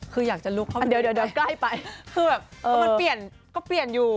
คืออยากจะลุกเข้าไปไหนคือแบบก็เปลี่ยนอยู่